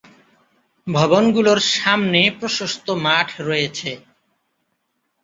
ভবনগুলোর সামনে প্রশস্ত মাঠ রয়েছে।